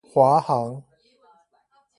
華航